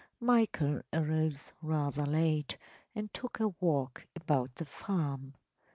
Michael arose rather late and took a walk about the farm.